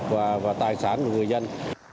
và tài sản của người dân